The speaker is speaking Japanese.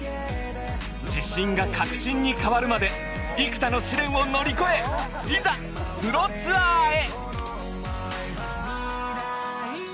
自信が確信に変わるまで幾多の試練を乗り越えいざプロツアーへ！